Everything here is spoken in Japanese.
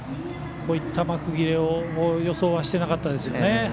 こういった幕切れを予想はしていなかったですよね。